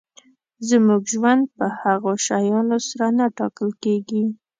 زموږ ژوند په هغو شیانو سره نه ټاکل کېږي.